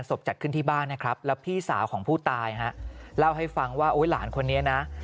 และพี่สาวของผู้ตายเล่าให้ฟังว่าหลานคนนี้นะ